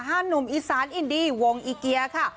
หนุ่มอีสานอินดีวงอีเกียค่ะ